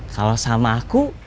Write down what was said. kalau sama aku